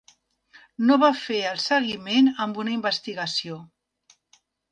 No va fer el seguiment amb una investigació.